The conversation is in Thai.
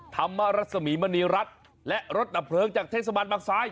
ธรรมรัศมีมณีรัฐและรถดับเพลิงจากเทศบาลบางซ้าย